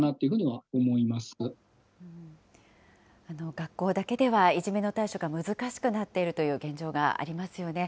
学校だけではいじめの対処が難しくなっているという現状がありますよね。